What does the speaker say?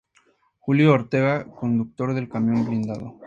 Julio Ortega: Conductor del camión blindado.